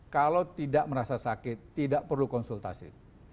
kalau tidak merasa sakit tidak perlu konsultasi